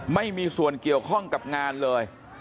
ไม่มีส่วนเกี่ยวข้องกับงานเลย